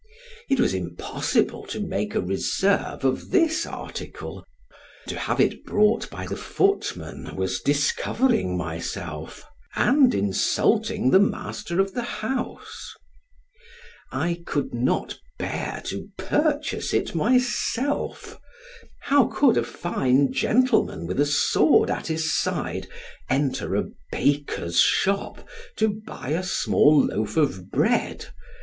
It was impossible to make a reserve of this article, and to have it brought by the footman was discovering myself, and insulting the master of the house; I could not bear to purchase it myself; how could a fine gentleman, with a sword at his side, enter a baker's shop to buy a small loaf of bread?